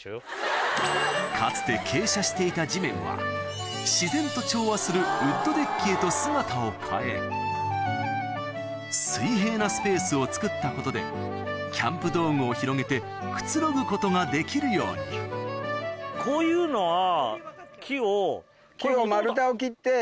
かつて傾斜していた地面は自然と調和するウッドデッキへと姿を変え水平なスペースをつくったことでキャンプ道具を広げてくつろぐことができるようにこういうのは木を？